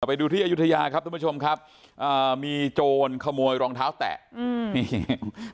ไปดูที่อายุทยาครับทุกผู้ชมครับอ่ามีโจรขโมยรองเท้าแตะอืมนี่